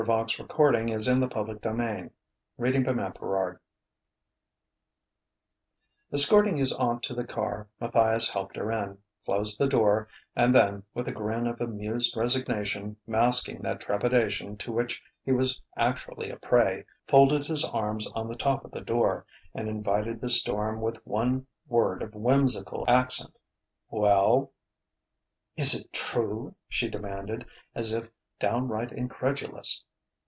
she exclaimed in a tone of expostulation "you are beautiful!" XVIII Escorting his aunt to the car, Matthias helped her in, closed the door, and then, with a grin of amused resignation masking that trepidation to which he was actually a prey, folded his arms on the top of the door and invited the storm with one word of whimsical accent: "Well?" "Is it true?" she demanded, as if downright incredulous.